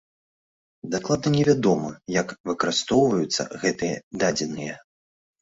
Дакладна не вядома, як выкарыстоўваюцца гэтыя дадзеныя.